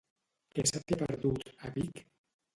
Què se t'hi ha perdut, a Vic?